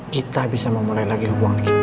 kita bisa memulai lagi uang kita